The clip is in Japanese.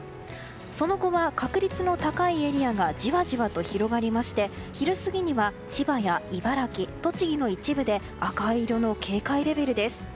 その後は、確率の高いエリアがじわじわと広がりまして昼過ぎには千葉や茨城、栃木の一部で赤い色の警戒レベルです。